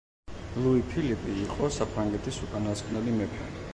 ლუი-ფილიპი იყო საფრანგეთის უკანასკნელი მეფე.